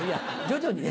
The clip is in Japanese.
徐々に？